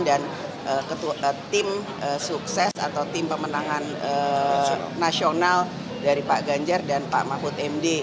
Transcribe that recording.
dan tim sukses atau tim pemenangan nasional dari pak ganjar dan pak mahfud md